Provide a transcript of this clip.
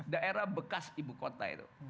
daerah bekas ibukota itu